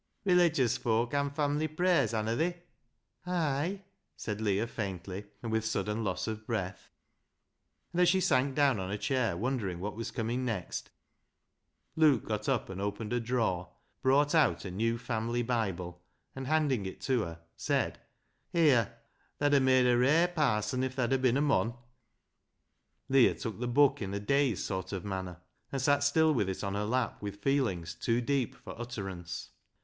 " Religious foak han family prayers, hanna they ?"" A y," said Leah faintly and with sudden loss of breath, and as she sank down on a chair wondering what was coming next, Luke got up and opened a drawer, brought out a new Family Bible, and handing it to her, said —" Here ! Tha'd ha' made a rare parson if tha'd bin a mon." Leah took the book in a dazed sort of manner, and sat still with it on her lap with feelings too deep for utterance.